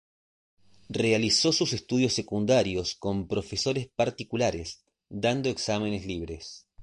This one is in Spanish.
Realizó sus estudios secundarios con profesores particulares, dando exámenes libres.